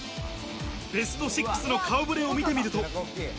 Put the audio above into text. ベスト６の顔ぶれを見てみると。